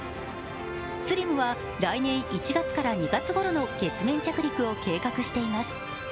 ＳＬＩＭは来年１月から２月ごろの月面着陸を計画しています。